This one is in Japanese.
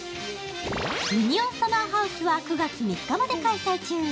ミニオンサマーハウスは９月３日まで開催中。